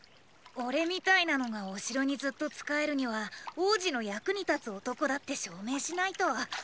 俺みたいなのがお城にずっと仕えるには王子の役に立つ男だって証明しないと。